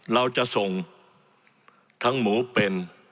เราจะส่งทั้งหมูเป็น